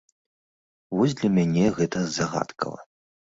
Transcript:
Вось для мяне гэта загадкава.